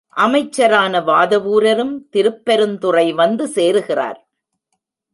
அமைச்சரான வாதவூரரும் திருப்பெருந்துறை வந்து சேருகிறார்.